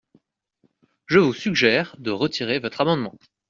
Je vous suggère de retirer votre amendement.